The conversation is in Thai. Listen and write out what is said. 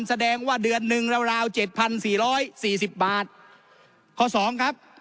แสดงว่าเดือนหนึ่งราวราวเจ็ดพันสี่ร้อยสี่สิบบาทข้อสองครับ